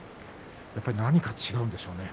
何か違うんでしょうね。